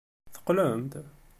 Teqqlem-d?